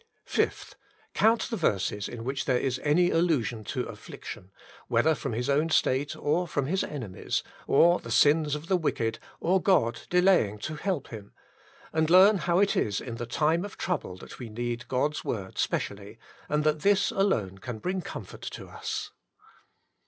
'' 5th. Count the verses in which there is any allusion to affliction, whether from his own state or from his enemies, or the sins of the wicked or God delaying " to help him "; and learn how it is in the time of trouble that we need God's Word specially, and that this alone can bring comfort to us.